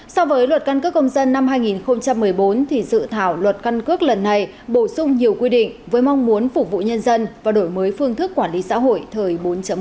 so với luật căn cước công dân năm hai nghìn một mươi bốn dự thảo luật căn cước lần này bổ sung nhiều quy định với mong muốn phục vụ nhân dân và đổi mới phương thức quản lý xã hội thời bốn